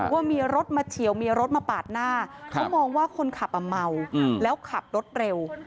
ว่ามีรถมาเฉียวมีรถมาปาดหน้าเขามองว่าคนขับอ่ะเมาแล้วขับรถเร็ว